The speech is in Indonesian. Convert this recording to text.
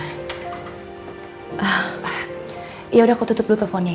ya saya akan tutup dulu teleponnya